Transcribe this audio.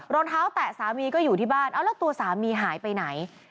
รองเท้าแตะสามีก็อยู่ที่บ้านเอาแล้วตัวสามีหายไปไหน